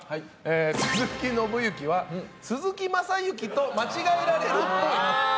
鈴木伸之は、鈴木雅之と間違えられるっぽい。